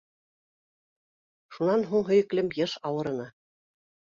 Шунан һуң һөйөклөм йыш ауырыны.